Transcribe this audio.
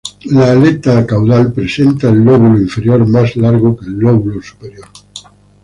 La aleta caudal presenta el lóbulo inferior más largo que el lóbulo superior.